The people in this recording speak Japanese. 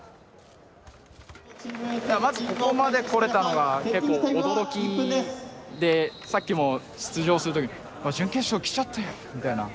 まずここまで来れたのが結構驚きでさっきも出場する時準決勝来ちゃったよみたいな。